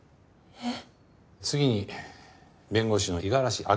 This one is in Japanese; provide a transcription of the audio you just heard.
えっ！？